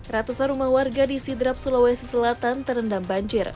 ratusan rumah warga di sidrap sulawesi selatan terendam banjir